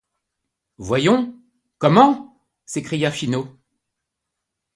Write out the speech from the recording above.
Voyons! comment? s’écria Finot.